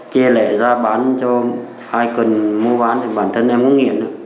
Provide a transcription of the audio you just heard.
chê lẻ ra bán cho ai cần mua bán thì bản thân em cũng nghiện